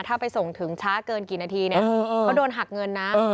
ถ้าไปส่งถึงช้าเกินกี่นาทีเนี่ยเขาโดนหักเงินนะ